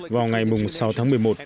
vào ngày sáu tháng một mươi một